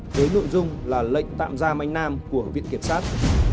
với nội dung là lệnh tạm giam anh nam của viện kiểm sát